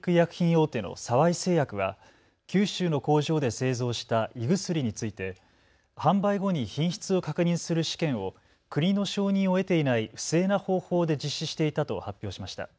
大手の沢井製薬は九州の工場で製造した胃薬について販売後に品質を確認する試験を国の承認を得ていない不正な方法で実施していたと発表しました。